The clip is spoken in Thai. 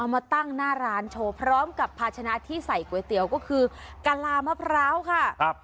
มาตั้งหน้าร้านโชว์พร้อมกับภาชนะที่ใส่ก๋วยเตี๋ยวก็คือกะลามะพร้าวค่ะครับ